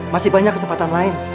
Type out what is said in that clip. masih banyak kesempatan lain